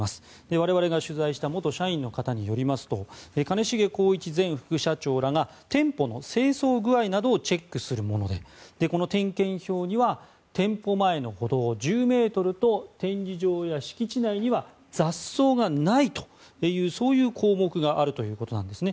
我々が取材した元社員の方によりますと兼重宏一前副社長らが店舗の清掃具合などをチェックするものでこの点検票には店舗前の歩道１０ｍと展示場や敷地内には雑草がないという項目があるということなんですね。